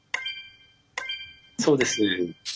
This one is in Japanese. そうですね。